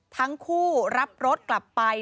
ทั้งคู่รับรถกลับไป